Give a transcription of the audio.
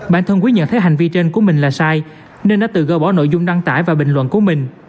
bản thân quý nhận thấy hành vi trên của mình là sai nên đã tự gỡ bỏ nội dung đăng tải và bình luận của mình